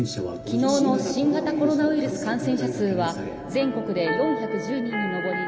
「昨日の新型コロナウイルス感染者数は全国で４１０人に上り」。